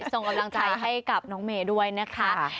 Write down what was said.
ส่งกำลังใจให้กับน้องเมย์ด้วยนะคะ